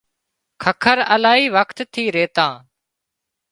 ککر الاهي وکت ٿي ريتان